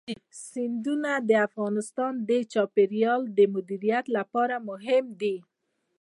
سیندونه د افغانستان د چاپیریال د مدیریت لپاره مهم دي.